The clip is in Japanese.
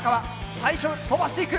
最初飛ばしていく。